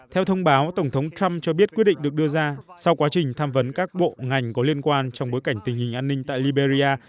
theo thông báo tổng thống trump cho biết quyết định được đưa ra sau quá trình tham vấn các bộ ngành có liên quan trong bối cảnh tình hình an ninh tại liberia